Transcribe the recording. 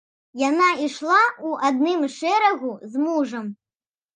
Яна ішла ў адным шэрагу з мужам.